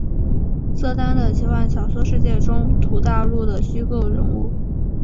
瑟丹的奇幻小说世界中土大陆的虚构人物。